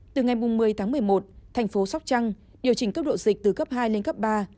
từ ngày một mươi tháng một mươi một tp hcm điều chỉnh cấp độ dịch từ cấp hai lên cấp ba